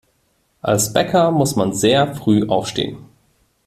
Als Bäcker muss man sehr früh aufstehen.